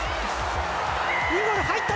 インゴール入った！